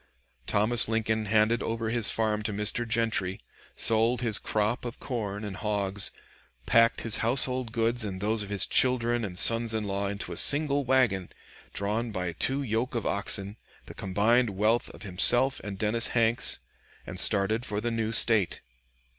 Thomas Lincoln handed over his farm to Mr. Gentry, sold his crop of corn and hogs, packed his household goods and those of his children and sons in law into a single wagon, drawn by two yoke of oxen, the combined wealth of himself and Dennis Hanks, and started for the new State.